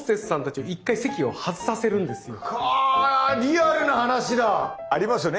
銀座のあリアルな話だ。ありますよね